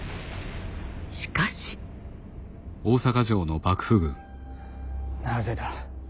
しかし。なぜだ？